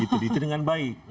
itu dengan baik